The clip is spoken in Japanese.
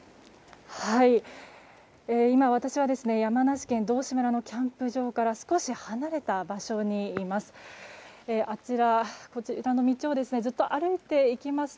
今、私は山梨県道志村のキャンプ場から少し離れた場所にいます。